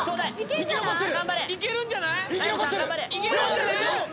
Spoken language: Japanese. いけるんじゃない？